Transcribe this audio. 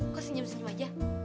kok senyum senyum aja